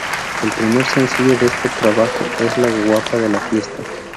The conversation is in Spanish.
El primer sencillo de este trabajo es "La guapa de la fiesta".